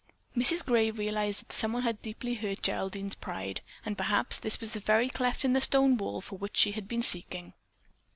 Mrs. Grey realized that someone had deeply hurt Geraldine's pride, but perhaps this was the very cleft in the stone wall for which she had been seeking.